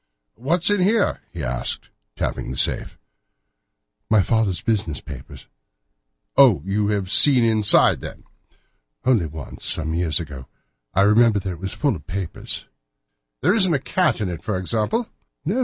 "What's in here?" he asked, tapping the safe. "My stepfather's business papers." "Oh! you have seen inside, then?" "Only once, some years ago. I remember that it was full of papers." "There isn't a cat in it, for example?" "No.